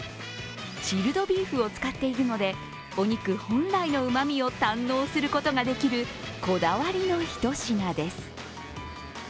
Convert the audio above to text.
チルドビーフを使っているので、お肉本来のうまみを堪能することができるこだわりのひと品です。